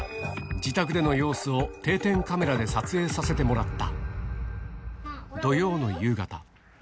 自宅での様子を定点カメラで撮影させてもらった。